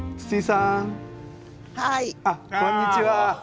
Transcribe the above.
あっこんにちは。